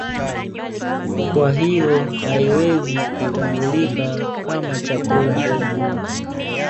Kwa hiyo haiwezi kutambulika kama chakula kikuu